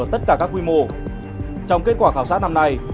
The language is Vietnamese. trong kết quả khảo sát năm nay